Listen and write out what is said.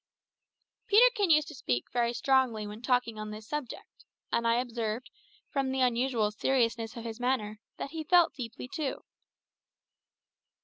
Peterkin used to speak very strongly when talking on this subject, and I observed, from the unusual seriousness of his manner, that he felt deeply too.